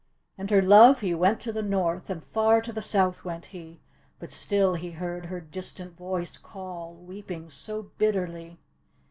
And her love he went to the north, And far to the south went he, But still he heard her distant voice Call, weeping so bitterly.